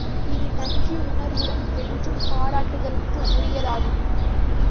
இது நன்றி உணர்வுடன் என்றும் பாராட்டுதலுக்கு உரியதாகும்.